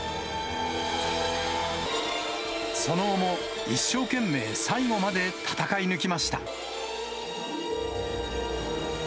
その後も、一生懸命最後まで戦い抜きました。